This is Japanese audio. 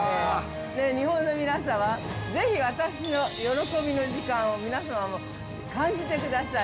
日本の皆様、ぜひ私の喜びの時間を皆様も感じてください。